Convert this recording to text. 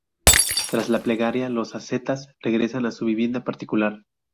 Tras la plegaria, los ascetas regresan a su vivienda particular.